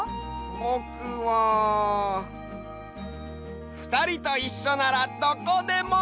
ぼくはふたりといっしょならどこでも！